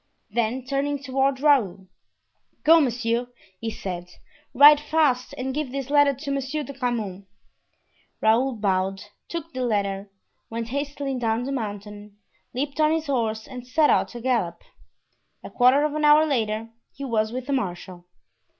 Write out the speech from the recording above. Then, turning toward Raoul: "Go, monsieur," he said; "ride fast and give this letter to Monsieur de Grammont." Raoul bowed, took the letter, went hastily down the mountain, leaped on his horse and set out at a gallop. A quarter of an hour later he was with the marshal.